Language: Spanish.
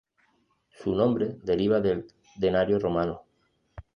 Su nombre deriva del denario romano.